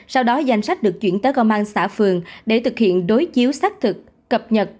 sau đó danh sách được chuyển tới công an xã phường để thực hiện đối chiếu xác thực cập nhật